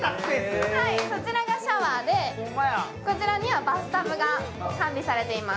こちらがシャワーでこちらにはバスタブが完備されています。